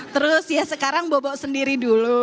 terus ya sekarang bobo sendiri dulu